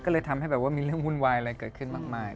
เล่าให้ทำให้มีเรื่องหุ้นวายอะไรเกิดขึ้นมาก